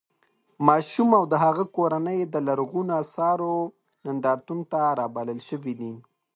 ماشوم او د هغه کورنۍ د لرغونو اثارو نندارتون ته رابلل شوي دي.